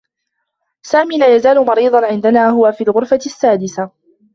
سامي لا يزال مريضا عندنا. هو في الغرفة السّادسة.